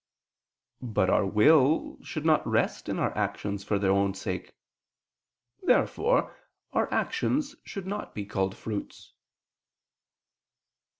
But our will should not rest in our actions for their own sake. Therefore our actions should not be called fruits.